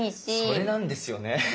それなんですよね。